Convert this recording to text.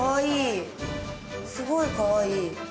すごいかわいい。